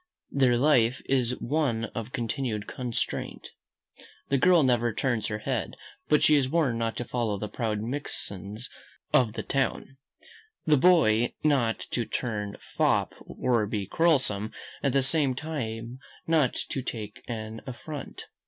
Their life is one of continued constraint. The girl never turns her head, but she is warned not to follow the proud minxes of the town. The boy is not to turn fop, or be quarrelsome, at the same time not to take an affront.